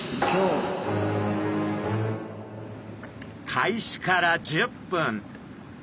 開始から１０分。